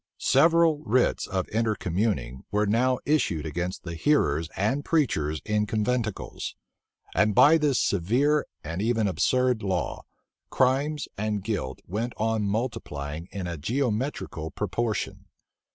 Several writs of intercommuning were now issued against the hearers and preachers in conventicles; and by this severe and even absurd law, crimes and guilt went on multiplying in a geometrical proportion.